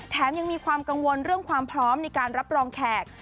ยังมีความกังวลเรื่องความพร้อมในการรับรองแขก